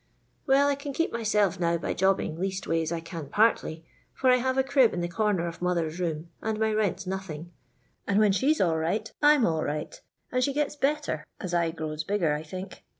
" Well, I can keep myself now by jobbing, leastways 1 can partly, for I have a crib in a comer of mother's room, and my rent 's nothing, and when she 's all right /'m all right, and she gets better as I grows bigger, I think.